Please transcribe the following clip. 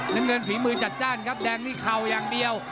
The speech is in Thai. น้ำเงินฝีมือจัดจ้านครับแดงนี่เข่าอย่างเดียว